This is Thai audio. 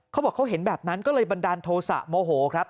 เขาบอกเขาเห็นแบบนั้นก็เลยบันดาลโทษะโมโหครับ